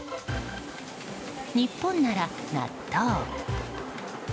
日本なら納豆。